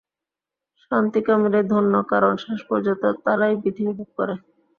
শান্তিকামীরাই ধন্য, কারণ শেষ পর্যন্ত তারাই পৃথিবী ভোগ করে।